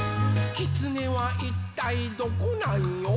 「きつねはいったいどこなんよ？」